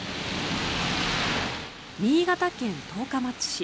新潟県十日町市。